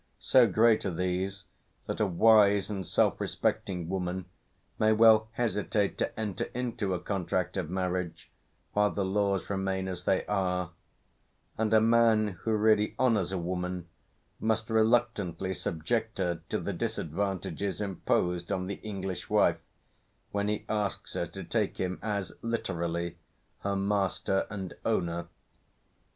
So great are these that a wise and self respecting woman may well hesitate to enter into a contract of marriage while the laws remain as they are, and a man who really honours a woman must reluctantly subject her to the disadvantages imposed on the English wife, when he asks her to take him as literally her master and, owner.